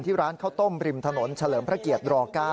ร้านข้าวต้มริมถนนเฉลิมพระเกียรติร๙